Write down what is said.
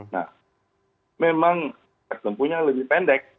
nah memang tempuhnya lebih pendek